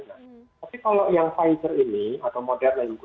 nah tapi kalau yang pfizer ini atau moderna ini